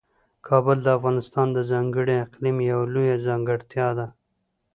کابل د افغانستان د ځانګړي اقلیم یوه لویه ځانګړتیا ده.